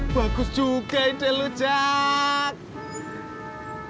bagus juga ide lo jack